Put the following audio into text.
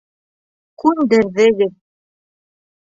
Күндерҙегеҙ!